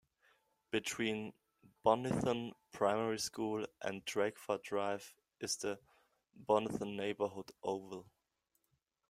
Between Bonython Primary School and Drakeford Drive is the Bonython Neighbourhood oval.